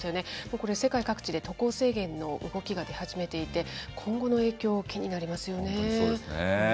これ、世界各地で渡航制限の動きが出始めていて、今後の影響、本当にそうですね。